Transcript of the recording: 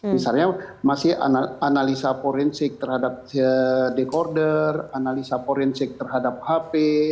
misalnya masih analisa forensik terhadap dekorder analisa forensik terhadap hp